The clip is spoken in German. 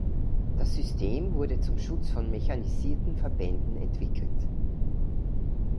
Das System wurde zum Schutz von mechanisierten Verbänden entwickelt.